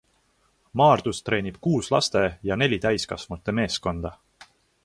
Maardus treenib kuus laste ja neli täiskasvanute meeskonda.